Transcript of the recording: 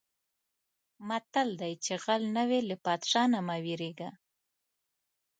متل دی: چې غل نه وې له پادشاه نه مه وېرېږه.